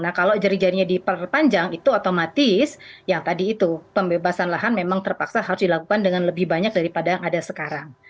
nah kalau jeri jerinya diperpanjang itu otomatis yang tadi itu pembebasan lahan memang terpaksa harus dilakukan dengan lebih banyak daripada yang ada sekarang